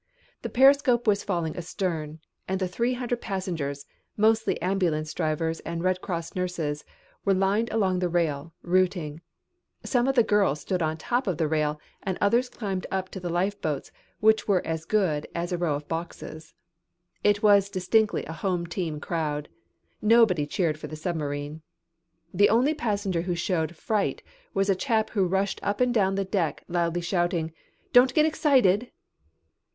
The periscope was falling astern, and the three hundred passengers, mostly ambulance drivers and Red Cross nurses, were lined along the rail, rooting. Some of the girls stood on top of the rail and others climbed up to the lifeboats, which were as good as a row of boxes. It was distinctly a home team crowd. Nobody cheered for the submarine. The only passenger who showed fright was a chap who rushed up and down the deck loudly shouting: "Don't get excited."